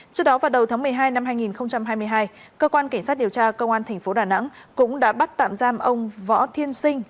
trước đó vào đầu tháng một mươi hai năm hai nghìn hai mươi hai cơ quan cảnh sát điều tra công an tp đà nẵng cũng đã bắt tạm giam ông võ thiên sinh